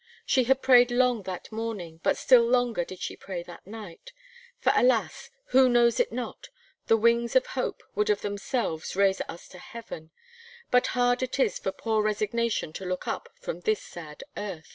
She had prayed long that morning, but still longer did she pray that night. For alas! who knows it not the wings of Hope would of themselves raise us to Heaven; but hard it is for poor resignation to look up from this sad earth.